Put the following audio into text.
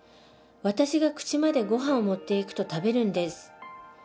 私が口までごはんを持っていくと食べるんです。